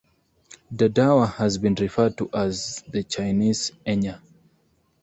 Dadawa has been referred to as the "Chinese Enya".